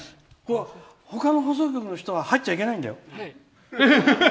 他の放送局の人は入っちゃいけないんだよ！